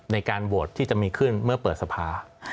ในการโหวตที่จะมีขึ้นเมื่อเปิดสภา